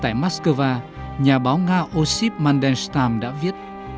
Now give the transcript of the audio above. tại moscow nhà báo nga osip mandelstam đã viết